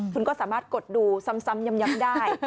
คุณก็สามารถกดดูซ้ำย้ำได้